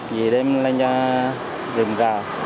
gì đem lên rừng rào